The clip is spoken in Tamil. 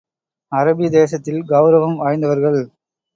அரபி தேசத்தில் கெளரவம் வாய்ந்தவர்கள்.